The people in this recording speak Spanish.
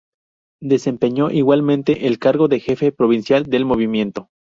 Desempeñó igualmente el cargo de jefe provincial del Movimiento.